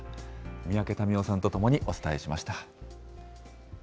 三宅民夫さんと共に、お伝えしました。